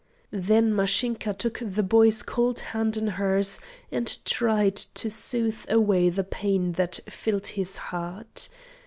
Then Mashinka took the boy's cold hand in hers and tried to soothe away the pain that filled his heart.